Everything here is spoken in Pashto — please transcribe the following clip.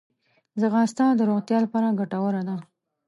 ځغاسته د روغتیا لپاره ګټوره ده